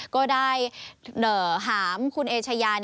ก็ได้หามคุณเอชายา